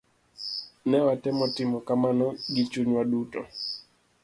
Ne watemo timo kamano gi chunywa duto.